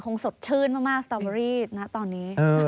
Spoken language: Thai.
สดชื่นมากสตอเบอรี่นะตอนนี้